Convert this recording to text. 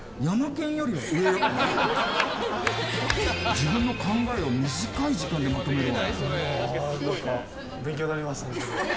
自分の考えを短い時間でまとめるの。